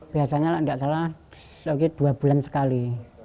biasanya tidak salah dua bulan sekali